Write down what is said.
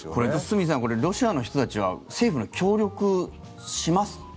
堤さん、ロシアの人たちは政府に協力します？